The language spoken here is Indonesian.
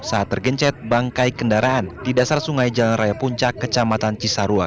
saat tergencet bangkai kendaraan di dasar sungai jalan raya puncak kecamatan cisarua